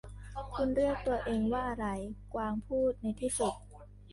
'คุณเรียกตัวเองว่าอะไร ? ' กวางพูดในที่สุด